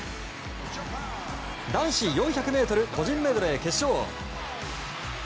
男子４００ｍ個人メドレー決勝。